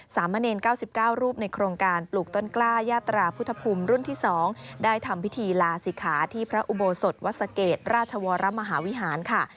สามเณร๙๙รูปในโครงการปลูกต้นกล้ายาตราพุทธภูมิรุ่นที่๒ได้ทำพิธีลาศิกขาที่พระอุโบสถวัดสะเกดราชวรมหาวิหารค่ะ